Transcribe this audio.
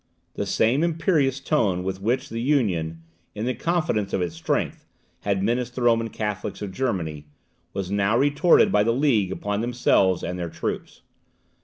The same imperious tone with which the Union, in the confidence of its strength, had menaced the Roman Catholics of Germany, was now retorted by the League upon themselves and their troops.